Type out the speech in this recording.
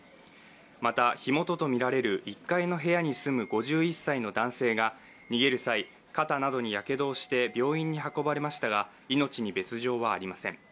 また、火元とみられる１階の部屋に住む５１歳の男性が逃げる際、肩などにやけどをして病院に運ばれましたが、命に別状はありません。